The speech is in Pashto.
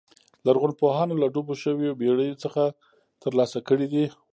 لرغونپوهانو له ډوبو شویو بېړیو څخه ترلاسه کړي دي